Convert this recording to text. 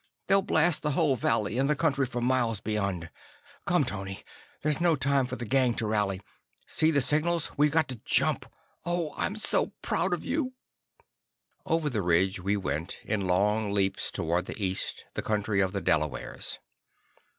They'll blast the whole valley and the country for miles beyond. Come, Tony. There's no time for the gang to rally. See the signals. We've got to jump. Oh, I'm so proud of you!" Over the ridge we went, in long leaps toward the east, the country of the Delawares.